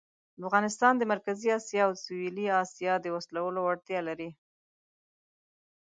افغانستان د مرکزي آسیا او سویلي آسیا د وصلولو وړتیا لري.